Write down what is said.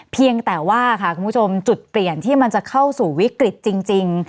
เพียงแต่ว่าค่ะคุณผู้ชมจุดเปลี่ยนที่มันจะเข้าสู่วิกฤตจริง